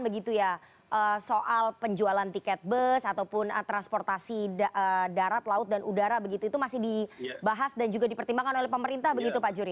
begitu ya soal penjualan tiket bus ataupun transportasi darat laut dan udara begitu itu masih dibahas dan juga dipertimbangkan oleh pemerintah begitu pak juri